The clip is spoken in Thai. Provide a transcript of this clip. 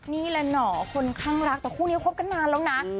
นี่แหละหน่อคนข้างรักแต่คู่นี้คบกันนานแล้วนะ